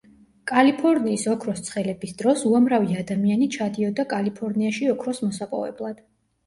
კალიფორნიის ოქროს ცხელების დროს უამრავი ადამიანი ჩადიოდა კალიფორნიაში ოქროს მოსაპოვებლად.